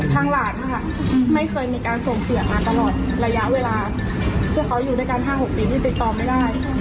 ตัวหนี้มีระยะเวลาเพื่อเขาอยู่ด้วย๕๖ปีความต่อไม่ได้